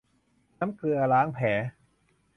น้ำเกลือล้างแผล